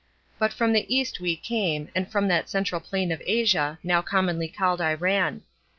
But from the East we came, and from that central plain of Asia, now commonly called Iran.